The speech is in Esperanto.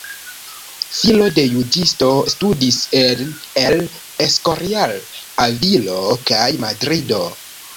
Filo de juĝisto, studis en El Escorial, Avilo kaj Madrido.